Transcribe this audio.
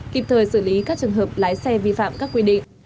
kịp thời xử lý các trường hợp lái xe vi phạm các quy định